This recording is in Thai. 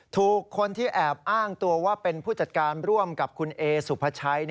ถูกคนที่แอบอ้างตัวว่าเป็นผู้จัดการร่วมกับคุณเอสุภาชัย